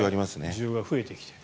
需要が増えてきている。